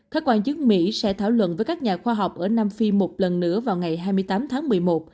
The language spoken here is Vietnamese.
các quan chức mỹ sẽ thảo luận với các nhà khoa học ở nam phi một lần nữa vào ngày hai mươi tám tháng một mươi một